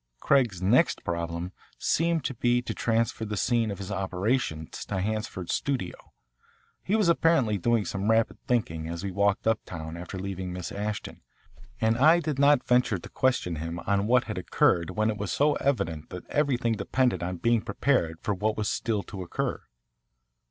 Craig's next problem seemed to be to transfer the scene of his operations to Hanford's studio. He was apparently doing some rapid thinking as we walked uptown after leaving Miss Ashton, and I did not venture to question him on what had occurred when it was so evident that everything depended on being prepared for what was still to occur.